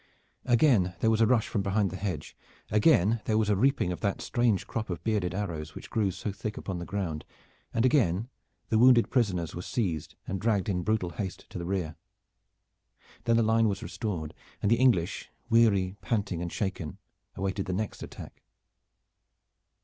Again there was a rush from behind the hedge. Again there was a reaping of that strange crop of bearded arrows which grew so thick upon the ground, and again the wounded prisoners were seized and dragged in brutal haste to the rear. Then the line was restored, and the English, weary, panting and shaken, awaited the next attack.